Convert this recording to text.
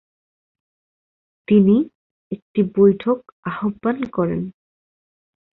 তিনি একটি বৈঠক আহ্বান করেন ।